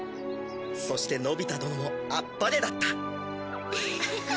そしてのび太殿もあっぱれだった。